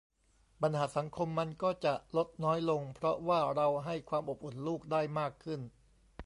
ปัญหาสังคมมันก็จะลดน้อยลงเพราะว่าเราให้ความอบอุ่นลูกได้มากขึ้น